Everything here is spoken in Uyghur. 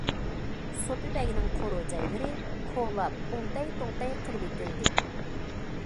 سوپى بەگنىڭ قورۇ- جايلىرى كولاپ ئوڭتەي- توڭتەي قىلىۋېتىلدى.